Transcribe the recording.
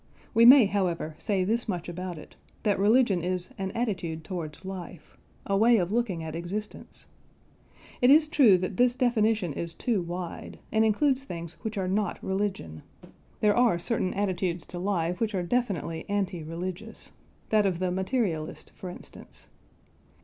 We may, however, say this much about it, that religion is an attitude towards life: a way of looking at existence. It is true that this definition is too wide, and includes things which are not religion there are certain attitudes to life which are definitely anti religious that of the materialist, for instance.